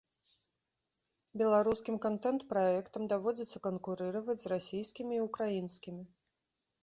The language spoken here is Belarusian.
Беларускім кантэнт-праектам даводзіцца канкурыраваць з расійскімі і ўкраінскімі.